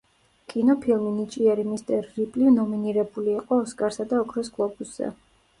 კინოფილმი „ნიჭიერი მისტერ რიპლი“ ნომინირებული იყო ოსკარსა და ოქროს გლობუსზე.